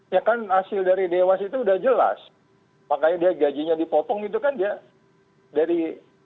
ya kan hasil dari dewas itu udah jelas makanya dia gajinya dipotong itu kan dia dari